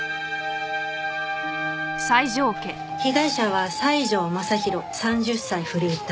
被害者は西條雅弘３０歳フリーター。